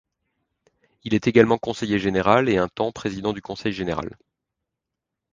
Il est également conseiller général et, un temps, président du Conseil général.